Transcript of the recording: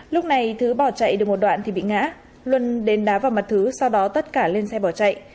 lúc này thứ bỏ chạy được một đoạn thì bị ngã luân đến đá vào mặt thứ sau đó tất cả lên xe bỏ chạy